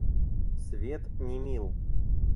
Свет не мил.